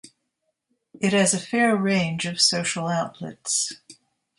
It has a fair range of social outlets.